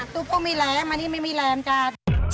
ตัวผู้มีแรมอันนี้ไม่มีแรมจ้า